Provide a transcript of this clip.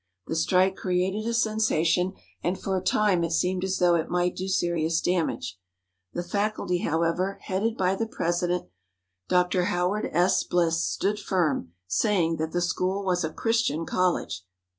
The strike created a sensation, and for a time it seemed as though it might do serious damage. The faculty, however, headed by the president, Dr. Howard S. Bliss, stood firm, saying that the school was a Christian college.